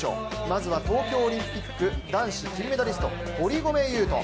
まずは東京オリンピック男子金メダリスト、堀米雄斗。